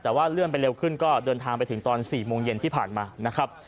แต่ว่าเลื่อนไปเร็วขึ้นก็เดินทางไปถึงตอน๔โมงเย็นที่ผ่านมานะครับ